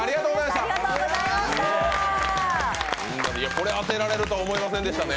これ当てられるとは思いませんでしたね。